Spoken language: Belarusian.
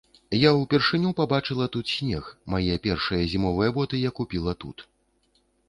Я ўпершыню пабачыла тут снег, мае першыя зімовыя боты я купіла тут.